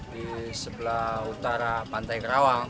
di sebelah utara pantai kerawang